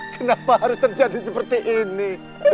kenapa harus terjadi seperti ini